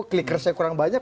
klikersnya kurang banyak